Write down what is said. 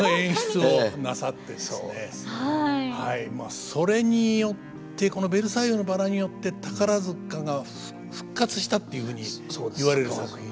まあそれによってこの「ベルサイユのばら」によって宝塚が復活したっていうふうに言われる作品ですね。